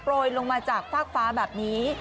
ลงมาจากฟากฟ้าแบบนี้